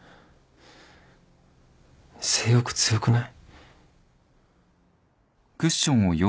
性欲強くない？